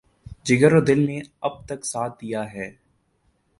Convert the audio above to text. جگر اور دل نے اب تک ساتھ دیا ہے۔